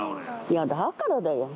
いやだからだよ。